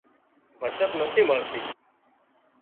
بچت نٿِي مۯتي